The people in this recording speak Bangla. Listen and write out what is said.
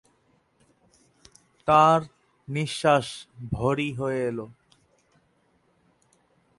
তাঁর নিঃশ্বাস ভরি হয়ে এল।